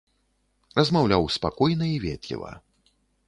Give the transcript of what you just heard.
Размаўляў спакойна і ветліва.